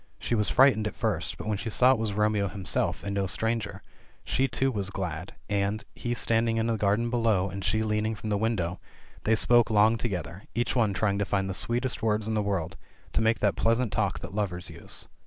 She was frightened at first, but when she saw it was Romeo him self, and no stranger, she too was glad, and, he standing in the gar den below and she leaning from the window, they spoke long to gether, each one trying to find the sweetest words in the world, to make that pleasant talk that lovers use.